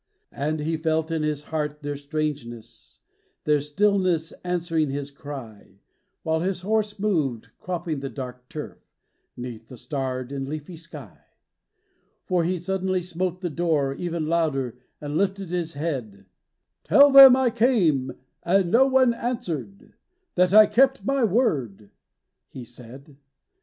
And he felt in his heart their strangeness, Their stillness answering his cry, While his horse moved, cropping the dark turf, 'Neath the starred and leafy sky; For he suddenly smote the door, even Louder, and lifted his head: "Tell them I came, and no one answered, That I kept my word," he said.